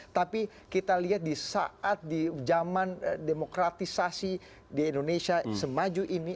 tapi kita lihat di saat di zaman demokratisasi di indonesia semaju ini